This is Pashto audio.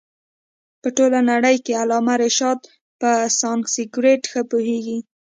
په ټوله نړۍ کښي علامه رشاد په سانسکرېټ ښه پوهيږي.